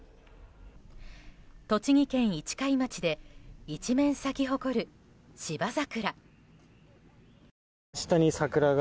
栃木県市貝町で一面咲き誇る芝桜。